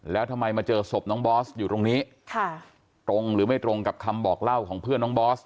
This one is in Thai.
แล้วทำไมมาเจอศพน้องบอสอยู่ตรงนี้ค่ะตรงหรือไม่ตรงกับคำบอกเล่าของเพื่อนน้องบอส